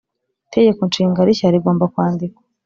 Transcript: itegeko nshinga rishya rigomba kwandikwa